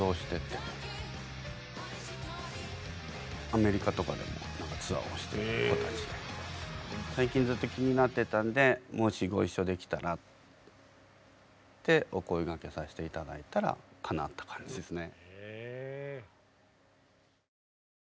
アメリカとかでもツアーをしている子たちで最近ずっと気になってたんでもしご一緒できたらってお声がけさせて頂いたらかなった感じですね。